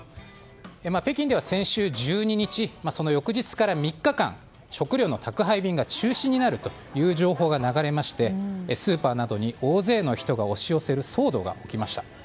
北京では先週１２日その翌日から３日間食料の宅配便が中止になるという情報が流れましてスーパーなどに大勢の人が押し寄せる騒動が起きました。